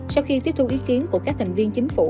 sau khi tiếp thu ý kiến của các thành viên chính phủ